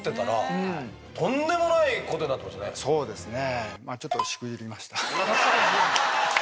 そうですね。